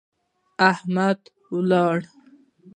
حميد ولاړ و.